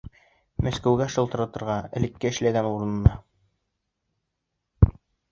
Мәскәүгә шылтыратырға, элекке эшләгән урынына?